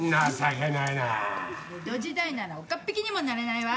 江戸時代なら岡っ引にもなれないわ！